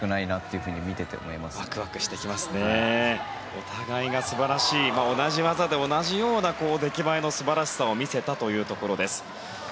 お互いが素晴らしい同じ技で同じような出来栄えの素晴らしさを見せたというところです。